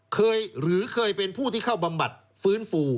หรือเคยเป็นผู้ที่เข้าบำบัดฟื้นฟู